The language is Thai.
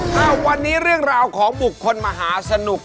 ถ้าวันนี้เรื่องราวของบุคคลมหาสนุก